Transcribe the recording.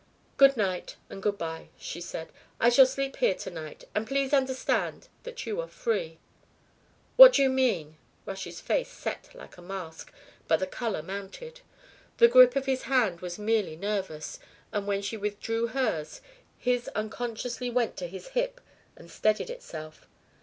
"Good night and good bye," she said. "I shall sleep here to night. And please understand that you are free." "What do you mean?" Rush's face set like a mask, but the colour mounted. The grip of his hand was merely nervous, and when she withdrew hers his unconsciously went to his hip and steadied itself.